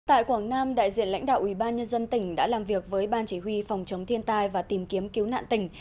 tại quảng nam đại diện lãnh đạo ubnd tỉnh đã làm việc với ban chỉ huy phòng chống thiên tai và tìm kiếm cứu nạn tỉnh